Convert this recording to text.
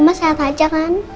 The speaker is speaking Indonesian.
mama sehat aja kan